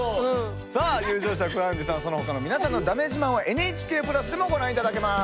さあ優勝したクラウンジさんそのほかの皆さんのだめ自慢はＮＨＫ＋でもご覧いただけます。